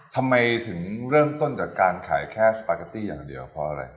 ทำไมถึงเริ่มต้นจากการขายแค่สปาเกตตี้อย่างเดียวเพราะอะไร